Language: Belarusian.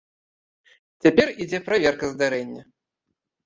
Цяпер ідзе праверка здарэння.